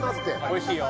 おいしいよ